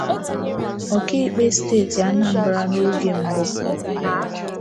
ọkaikpe steeti Anambra n'oge mbụ